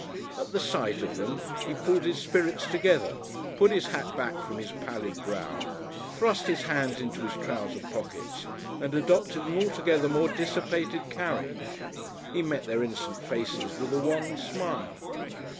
At the sight of them he pulled his spirits together, put his hat back from his pallid brow, thrust his hands into his trouser pockets and adopted an altogether more dissipated carriage; he met their innocent faces with a wan smile.